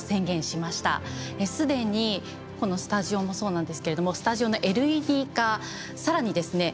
すでにこのスタジオもそうなんですけれどもスタジオのＬＥＤ化さらにですね